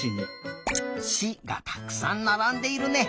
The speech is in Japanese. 「し」がたくさんならんでいるね。